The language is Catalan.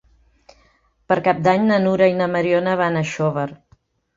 Per Cap d'Any na Nura i na Mariona van a Xóvar.